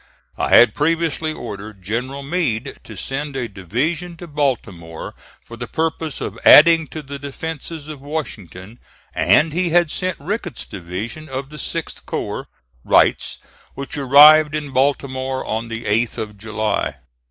I had previously ordered General Meade to send a division to Baltimore for the purpose of adding to the defences of Washington, and he had sent Ricketts's division of the 6th corps (Wright's), which arrived in Baltimore on the 8th of July.